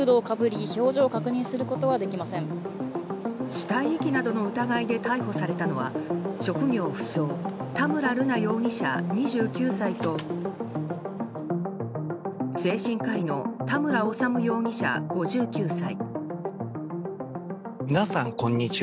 死体遺棄などの疑いで逮捕されたのは職業不詳田村瑠奈容疑者、２９歳と精神科医の田村修容疑者、５９歳。